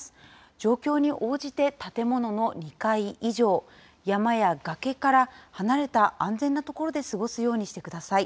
状況に応じて、建物の２階以上、山や崖から離れた安全な所で過ごすようにしてください。